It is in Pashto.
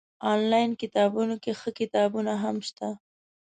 انلاين کتابتون کي ښه کتابونه هم شته